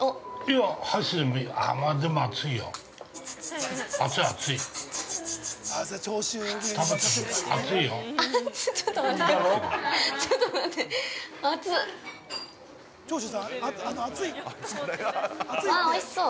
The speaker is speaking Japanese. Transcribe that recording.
わー、おいしそう！